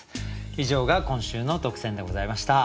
以上が今週の特選でございました。